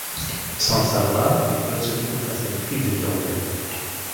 Sans le savoir, les pilotes se trouvent face à une fuite de kérosène.